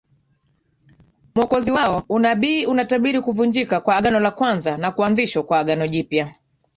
Mwokozi wao Unabii unatabiri kuvunjika kwa agano la kwanza na kuanzishwa kwa Agano jipya